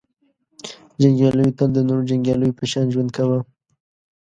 • جنګیالیو تل د نورو جنګیالیو په شان ژوند کاوه.